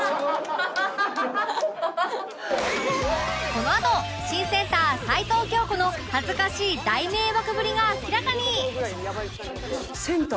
このあと新センター齊藤京子の恥ずかしい大迷惑ぶりが明らかに！